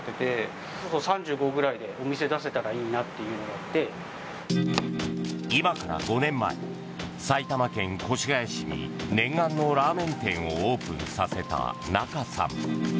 わぁ今から５年前、埼玉県越谷市に念願のラーメン店をオープンさせた、中さん。